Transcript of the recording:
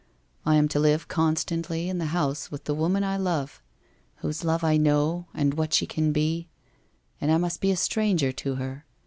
' I am to live con stantly in the house with the woman I love — whose love I know, and what she can be — and I must be a stranger to her.